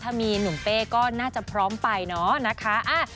ถ้ามีหนุ่มเป้ก็น่าจะพร้อมไปเนาะนะคะ